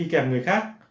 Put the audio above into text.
kèm người khác